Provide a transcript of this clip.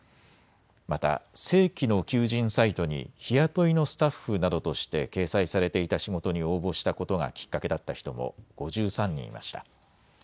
また正規の求人サイトに日雇いのスタッフなどとして掲載されていた仕事に応募したことがきっかけだった人も５３人いました。